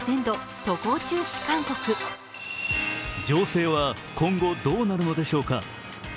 情勢は今後どうなるのでしょうか。